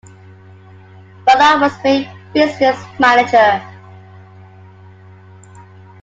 Ballard was made business manager.